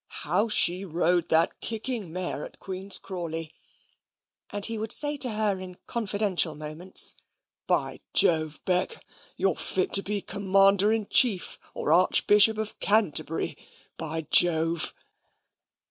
"How she rode that kicking mare at Queen's Crawley!" And he would say to her in confidential moments, "By Jove, Beck, you're fit to be Commander in Chief, or Archbishop of Canterbury, by Jove."